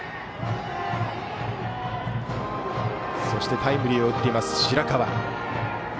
そしてタイムリーを打っている白川。